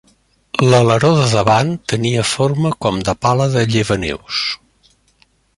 L’aleró de davant tenia forma com de pala de llevaneus.